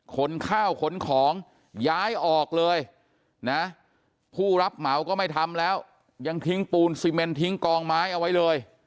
ขนข้าวขนของย้ายออกเลยนะผู้รับเหมาก็ไม่ทำแล้วยังทิ้งปูนซีเมนทิ้งกองไม้เอาไว้เลย